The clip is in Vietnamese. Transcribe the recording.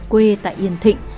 quê tại yên thịnh